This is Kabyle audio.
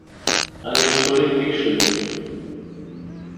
Armi d tura i d-ikcem.